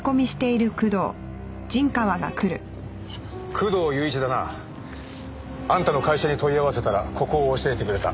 工藤勇一だな？あんたの会社に問い合わせたらここを教えてくれた。